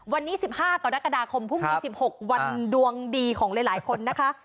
วันนี้๑๕กรกฎาคมพรุ่งนี้๑๖วันดวงดีของหลายคนนะคะ